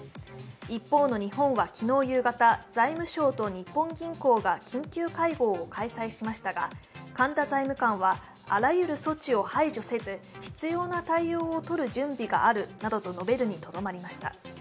一方の日本は昨日夕方財務省と日本銀行が緊急会合を開催しましたが神田財務官はあらゆる措置を排除せず必要な対応をとる準備があるなどと述べるにとどまりました。